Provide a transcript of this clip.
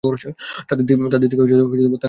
তাদের দিকে তাকাবে না।